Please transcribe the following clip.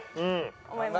思います。